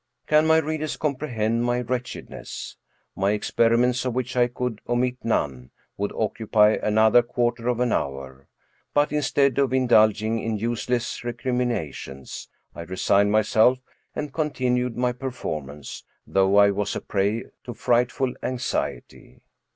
Can my readers comprehend my wretchedness? My experi ments, of which I could omit none, would occupy another quarter of an hour; but instead of indulging in useless recriminations, I resigned myself and continued my per formance, though I was a prey to frightful anxiety.